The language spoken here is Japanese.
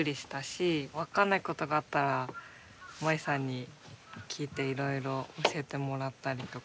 分かんないことがあったらまりさんに聞いていろいろ教えてもらったりとか。